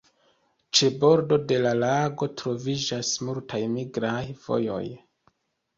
Ĉe bordo de la lago troviĝas multaj migraj vojoj.